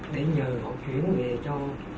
để nhờ họ chuyển về cho